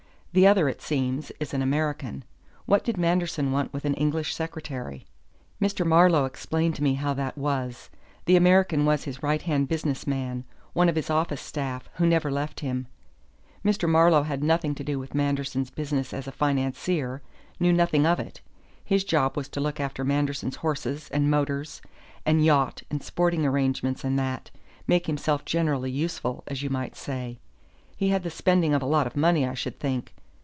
The other, it seems, is an American. What did Manderson want with an English secretary?" "Mr. Marlowe explained to me how that was. The American was his right hand business man, one of his office staff, who never left him. Mr. Marlowe had nothing to do with Manderson's business as a financier, knew nothing of it. His job was to look after Manderson's horses and motors and yacht and sporting arrangements and that make himself generally useful, as you might say. He had the spending of a lot of money, I should think.